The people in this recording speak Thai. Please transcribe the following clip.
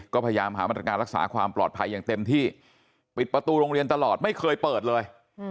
ก็พยายามหามาตรการรักษาความปลอดภัยอย่างเต็มที่ปิดประตูโรงเรียนตลอดไม่เคยเปิดเลย